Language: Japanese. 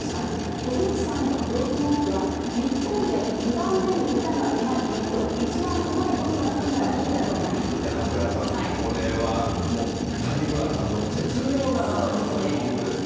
堀内さんへの口説き文句は、日本で２番目に歌がうまい君と１番うまい僕が組んだらいいだろう長谷川さん、これはもう、谷村さんの絶妙な誘い文句ですね。